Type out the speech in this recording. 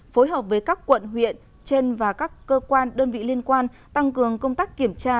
phối hợp với các quận huyện trên và các cơ quan đơn vị liên quan tăng cường công tác kiểm tra